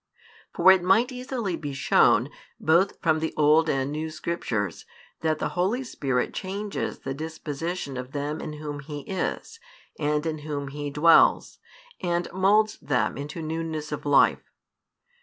For it might easily be shown, both from the Old and New Scriptures, that the Holy Spirit changes the disposition of those in Whom He is, and in Whom He dwells, and moulds them into newness of life.